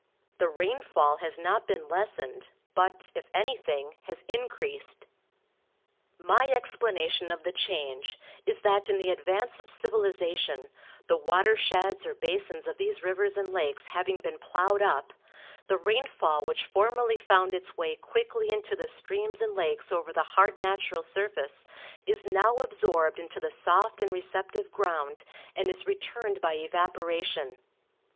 The rainfall has not been lessened, but, if anything, has increased. My explanation of the change is, that in the advance of civilization, the water sheds or basins of these rivers and lakes having been plowed up, the rainfall which formerly found its way quickly into the streams and lakes over the hard natural surface is now absorbed into the soft and receptive ground, and is returned by evaporation.